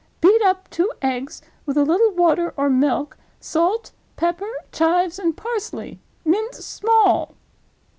Beat up two eggs with a little water or milk, salt, pepper, chives, and parsley. Mince small.